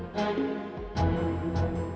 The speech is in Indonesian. dia tidak mau hilang selalu